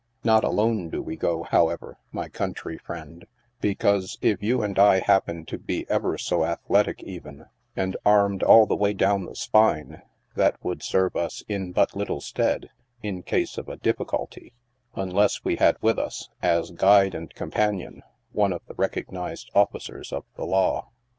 Not alone do we go, however my country friend, because, if you and I happen to be ever so ath letic even, and armed all the way down the spine, that would serve us in but little stead, in case of a " difficulty," unless we had with us, as guide and companion, one of the recognized officers of the law.